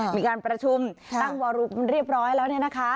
มีการประชุมตั้งวอรุมเรียบร้อยแล้วเนี่ยนะคะ